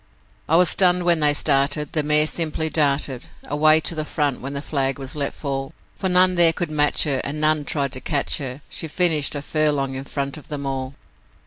'I was stunned when they started, the mare simply darted Away to the front when the flag was let fall, For none there could match her, and none tried to catch her She finished a furlong in front of them all.